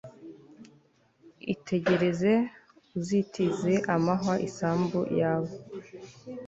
itegereze, uzitize amahwa isambu yawe